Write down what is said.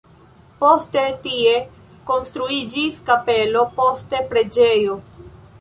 Poste tie konstruiĝis kapelo, poste preĝejo.